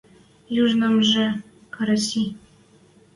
Южнамжы Караси